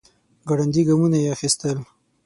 ګړندي ګامونه يې اخيستل.